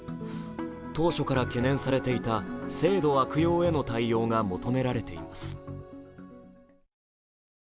当初から懸念されていた制度悪用への対応が求められています。